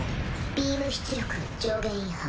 ビーム出力上限違反。